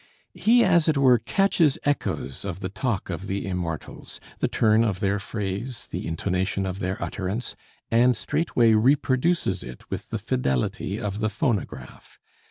He as it were catches echoes of the talk of the Immortals, the turn of their phrase, the intonation of their utterance, and straightway reproduces it with the fidelity of the phonograph.